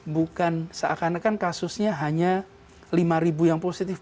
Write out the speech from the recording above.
bukan seakan akan kasusnya hanya lima ribu yang positif